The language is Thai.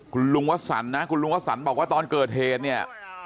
คุณลุงวสันนะคุณลุงวสันบอกว่าตอนเกิดเหตุเนี่ย